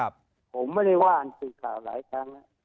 ผมไม่ได้ว่าอันสื่อข่าวหลายครั้งแล้ว